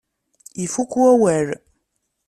Ifuk wawal.